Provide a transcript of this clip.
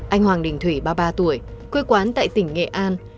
anh hoàng đình thủy ba mươi ba tuổi quê quán tại tỉnh nghệ an